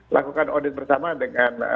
lakukan audit bersama dengan